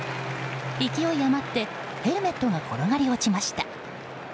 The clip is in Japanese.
勢い余ってヘルメットが転がり落ちました。